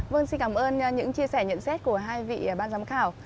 vâng xin cảm ơn những chia sẻ nhận xét của hai vị ban giám khảo